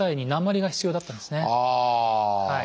はい。